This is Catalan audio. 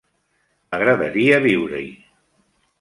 M'agradaria viure-hi.